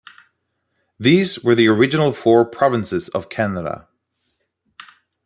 These were the original four provinces of Canada.